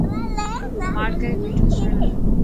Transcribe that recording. ماٺ ڪري بيٺو سوڻ.